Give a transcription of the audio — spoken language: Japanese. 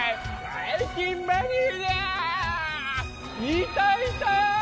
いたいた！